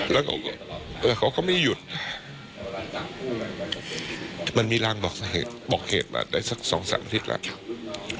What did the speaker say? แล้วก็เขาก็ไม่หยุดมันมีรางบอกเหตุมาได้สักสองสามอาทิตย์แล้ว